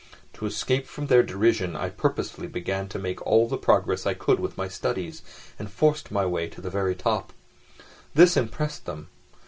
To escape from their derision I purposely began to make all the progress I could with my studies and forced my way to the very top. This impressed them.